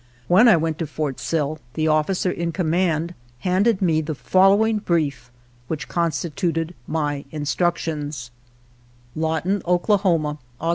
When I went to Fort Sill the officer in command handed me the following brief, which constituted my instructions : Lawton, Oklahoma, Aug.